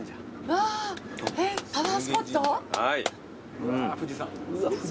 うわ富士山。